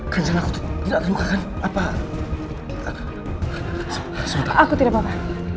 kanjel aku tidak terluka kan apa aku tidak papa